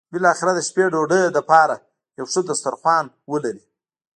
بالاخره د شپې ډوډۍ لپاره یو ښه سترخوان ولري.